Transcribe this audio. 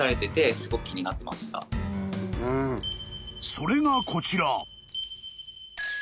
［それがこちら］